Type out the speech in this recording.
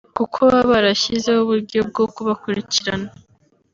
kuko baba barashyizeho uburyo bwo kubakurikirana